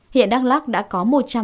hiện đắk lắc đã có